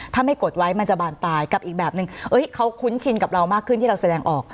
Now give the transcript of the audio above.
ถ้าไม่กดไว้มันจะบานปลายกับอีกแบบนึงเขาคุ้นชินกับเรามากขึ้นที่เราแสดงออก